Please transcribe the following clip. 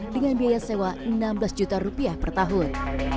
dengan biaya sewa enam belas juta rupiah per tahun